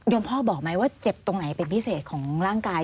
พ่อบอกไหมว่าเจ็บตรงไหนเป็นพิเศษของร่างกาย